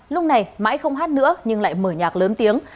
lúc này mãi không hát nữa nhưng lại mở nhạc lớn tiếng